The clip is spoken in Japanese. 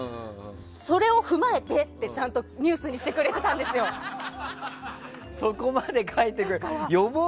それを踏まえてってちゃんとニュースにそこまで書いてくれて。